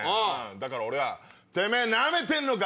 だから俺はてめぇナメてんのか？